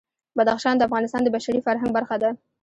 بدخشان د افغانستان د بشري فرهنګ برخه ده.